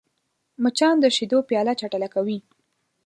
مچان د شیدو پیاله چټله کوي